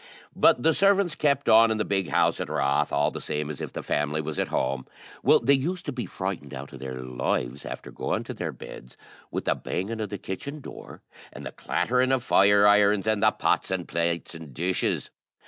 But the servants kept on in the big house at Rath all the same as if the family was at home. Well, they used to be frightened out of their lives after going to their beds with the banging of the kitchen door, and the clattering of fire irons, and the pots and plates and dishes.